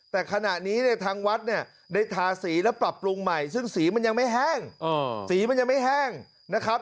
แต่ขณะนี้เนี่ยทางวัดเนี่ยได้ทาสีแล้วปรับปรุงใหม่ซึ่งสีมันยังไม่แห้งสีมันยังไม่แห้งนะครับ